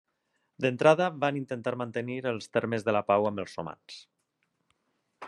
D'entrada van intentar mantenir els termes de la pau amb els romans.